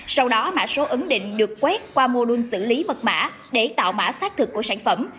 sau đó mã số ấn định được quét qua mô đun xử lý mật mã để tạo mã xác thực của sản phẩm